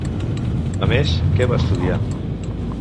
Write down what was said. A més, què va estudiar?